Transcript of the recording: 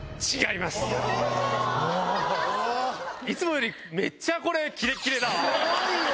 いつもよりめっちゃこれ、キレッキレだわ。